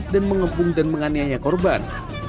dan mengepung dan menganiaya korban